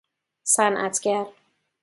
صنعتگر